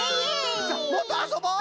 さあもっとあそぼう！